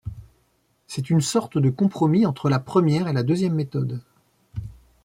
C'est une sorte de compromis entre la première et la deuxième méthode.